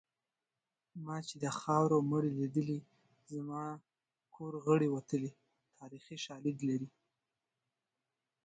ما چې د خاوو مړي لیدلي زما کور غړي وتلي تاریخي شالید لري